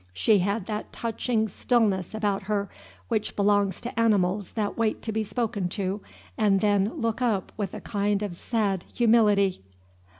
She had that touching stillness about her which belongs to animals that wait to be spoken to and then look up with a kind of sad humility.